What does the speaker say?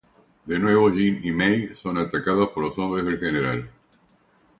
De nuevo, Jin y Mei son atacados por los hombres del general.